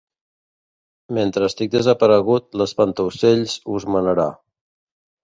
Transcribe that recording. Mentre estic desaparegut, l'espantaocells us manarà.